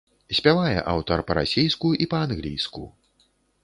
Спявае аўтар па-расейску і па-англійску.